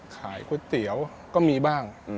ขายก๋วยเตี๋ยวก็มีบ้าง